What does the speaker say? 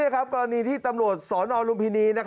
กรณีที่ตำรวจสนลุมพินี